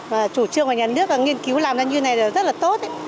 và chủ trương của nhà nước nghiên cứu làm ra như thế này là rất là tốt